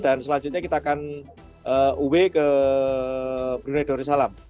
dan selanjutnya kita akan uw ke brunei darussalam